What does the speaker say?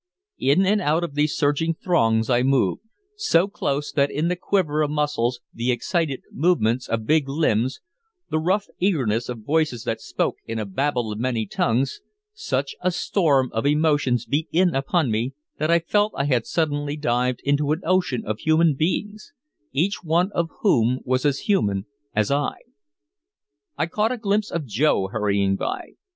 In and out of these surging throngs I moved, so close that in the quiver of muscles, the excited movements of big limbs, the rough eagerness of voices that spoke in a babel of many tongues, such a storm of emotions beat in upon me that I felt I had suddenly dived into an ocean of human beings, each one of whom was as human as I. I caught a glimpse of Joe hurrying by.